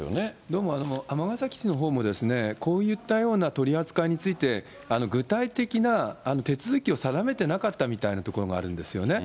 でも尼崎市のほうも、こういったような取り扱いについて、具体的な手続きを定めてなかったみたいなところもあるんですよね。